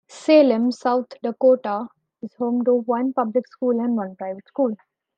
Salem, South Dakota is home to one public school and one private school.